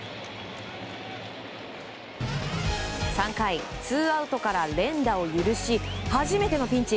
３回、ツーアウトから連打を許し初めてのピンチ。